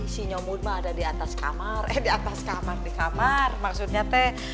sinyo mutma ada di atas kamar eh di atas kamar di kamar maksudnya teh